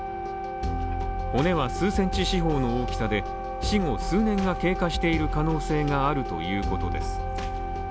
骨は数センチ四方の大きさで、死後数年が経過している可能性があるということです